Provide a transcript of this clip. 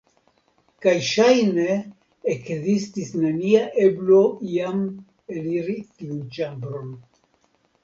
Kaj ŝajne ekzistis nenia eblo iam eliri tiun ĉambron.